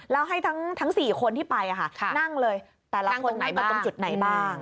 แล้วให้ทั้ง๔คนที่ไปนั่งเลยแต่ละคนเต็มที่ตรงจุดไหนบ้างครับนั่งตรงไหนบ้าง